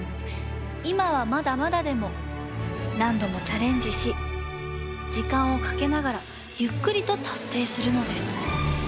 いまはまだまだでもなんどもチャレンジしじかんをかけながらゆっくりとたっせいするのです。